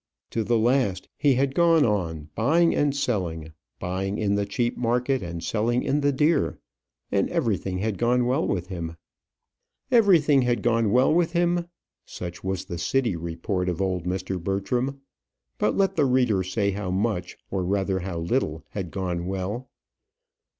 To the last, he had gone on buying and selling, buying in the cheap market and selling in the dear; and everything had gone well with him. Everything had gone well with him! Such was the City report of old Mr. Bertram. But let the reader say how much, or rather how little, had gone well.